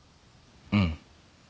うん。